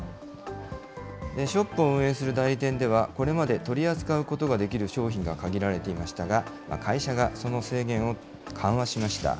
ショップを運営する代理店では、これまで取り扱うことができる商品が限られていましたが、会社がその制限を緩和しました。